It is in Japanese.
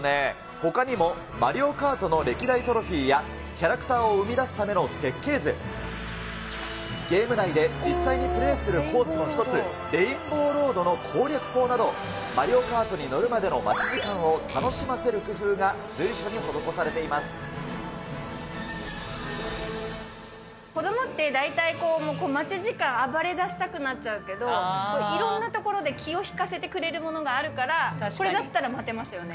ほかにも、マリオカートの歴代トロフィーやキャラクターを生み出すための設計図、ゲーム内で実際にプレーするコースの一つ、レインボーロードの攻略法など、マリオカートに乗るまでの待ち時間を楽しませる工夫が随所に施さ子どもって大体、待ち時間、暴れ出したくなっちゃうけど、いろんなところで気を引かせてくれるものがあるから、これだったら待てますよね。